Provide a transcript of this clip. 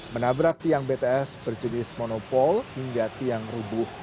menabrak tiang bts berjenis monopol hingga tiang rubuh